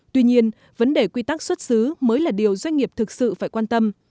tuy nhiên vấn đề quy tắc xuất xứ mới là điều doanh nghiệp thực sự phải quan tâm